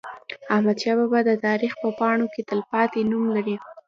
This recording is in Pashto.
احمدشاه بابا د تاریخ په پاڼو کې تلپاتې نوم لري.